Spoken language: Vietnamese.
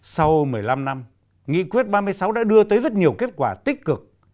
sau một mươi năm năm nghị quyết ba mươi sáu đã đưa tới rất nhiều kết quả tích cực